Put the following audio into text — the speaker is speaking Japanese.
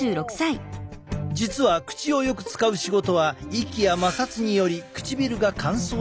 実は口をよく使う仕事は息や摩擦により唇が乾燥しやすい。